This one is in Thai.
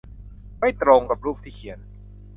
ไม่ตรงกับรูปที่เขียน